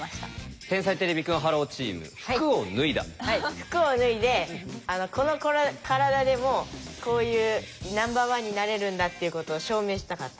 服を脱いでこの体でもこういうナンバーワンになれるんだっていうことを証明したかった。